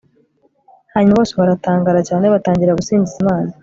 hanyuma bose baratangara cyane batangira gusingiza imana